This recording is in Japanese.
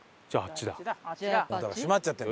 閉まっちゃってる。